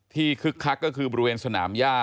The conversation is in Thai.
คึกคักก็คือบริเวณสนามย่า